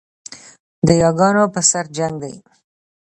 د یاګانو پر سر جنګ دی